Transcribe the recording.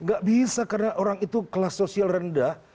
gak bisa karena orang itu kelas sosial rendah